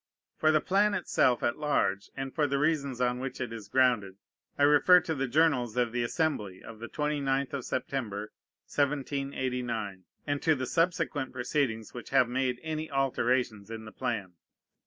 For the plan itself at large, and for the reasons on which it is grounded, I refer to the journals of the Assembly of the 29th of September, 1789, and to the subsequent proceedings which have made any alterations in the plan.